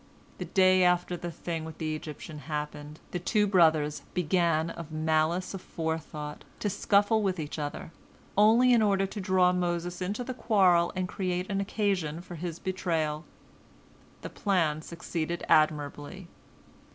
The day after the thing with the Egyptians happened, the two brothers began of malice aforethought to scuffle with each other, only in order to draw Moses into the quarrel and create an occasion for his betrayal. The plan succeeded admirably.